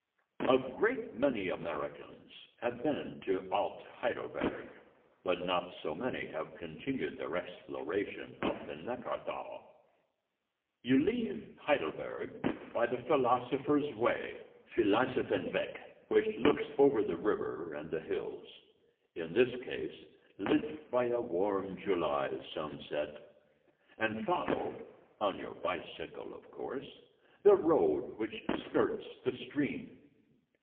A great many Americans have been to Alt Heidelberg, but not so many have continued their exploration up the Neckarthal. You leave Heidelberg by the Philosophers' Way (Philosophenweg), which looks over the river and the hills in this case, lit by a warm July sunset and follow (on your bicycle, of course) the road which skirts the stream.